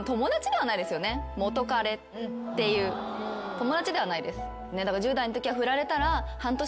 友達ではないです。